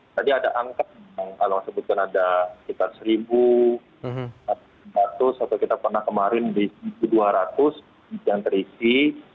tadi ada angka kalau sebutkan ada sekitar satu atau satu dua ratus atau kita pernah kemarin di dua ratus yang terisi